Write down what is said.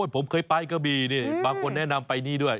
ผมเคยไปกะบี่นี่บางคนแนะนำไปนี่ด้วย